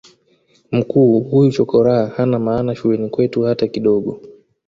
mkuu huyu chokoraa hana maana shuleni kwetu hata kidogo